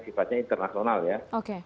sifatnya internasional ya oke